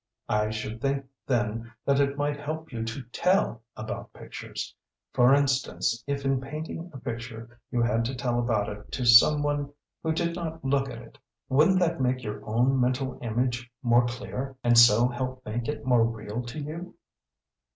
I should think then that it might help you to tell about pictures. For instance, if in painting a picture you had to tell about it to some one who did not look at it, wouldn't that make your own mental image more clear, and so help make it more real to you?'